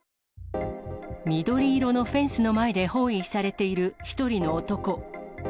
緑色のフェンスの前で包囲されている１人の男。